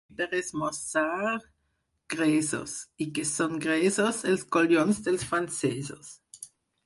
I per esmorzar? —Gresos! —I què són gresos? —Els collons dels francesos!